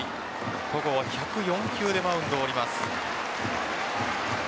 戸郷は１０４球でマウンドを降ります。